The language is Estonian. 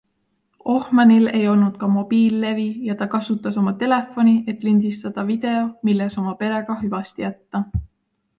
Ohmanil ei olnud ka mobiililevi ja ta kasutas oma telefoni, et lindistada video, milles oma perega hüvasti jätta.